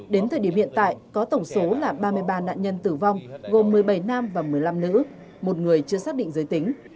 đến thời điểm hiện tại có tổng số là ba mươi ba nạn nhân tử vong gồm một mươi bảy nam và một mươi năm nữ một người chưa xác định giới tính